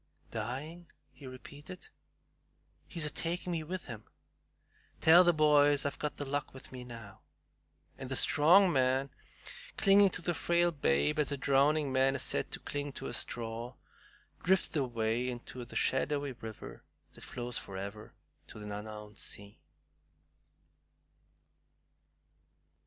"Dying!" he repeated; "he's a taking me with him. Tell the boys I've got The Luck with me now;" and the strong man, clinging to the frail babe as a drowning man is said to cling to a straw, drifted away into the shadowy river that flows forever to the unknown sea.